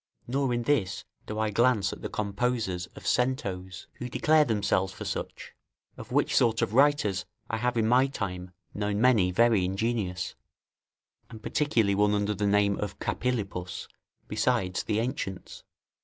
Nor in this do I glance at the composers of centos, who declare themselves for such; of which sort of writers I have in my time known many very ingenious, and particularly one under the name of Capilupus, besides the ancients.